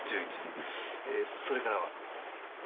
それからは？